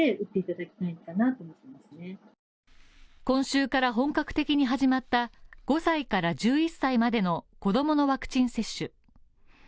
今週から本格的に始まった５歳から１１歳までの子供のワクチン接種。